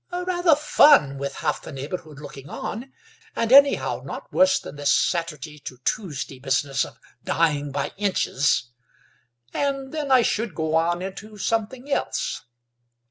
"Rather fun with half the neighbourhood looking on, and anyhow not worse than this Saturday to Tuesday business of dying by inches; and then I should go on into something else.